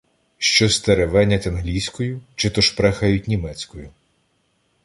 Щось теревенять англійською чи то шпрехають німецькою